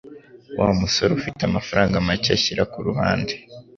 Wa musore afite amafaranga make ashyira kuruhande.